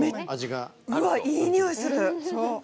うわ、いい匂いする。